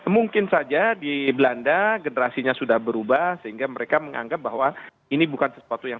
mungkin saja di belanda generasinya sudah berubah sehingga mereka menganggap bahwa ini bukan sesuatu yang